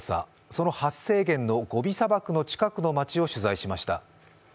その発生源のゴビ砂漠の近くの街を取材しました。